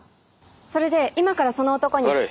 それで今からその男に。